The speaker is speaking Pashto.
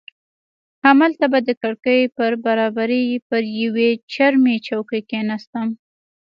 همالته به د کړکۍ پر برابري پر یوې چرمي چوکۍ کښېناستم.